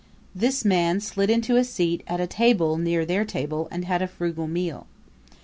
This man slid into a seat at a table near their table and had a frugal meal.